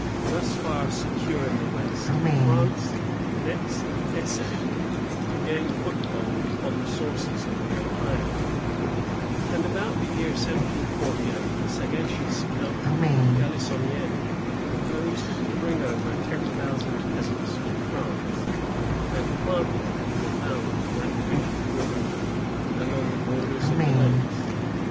Thus far secure in the west, France next essayed to gain foothold upon the sources of the Ohio; and about the year 1748, the sagacious Count Galissonnière proposed to bring over ten thousand peasants from France, and plant them in the valley of that beautiful river, and on the borders of the lakes.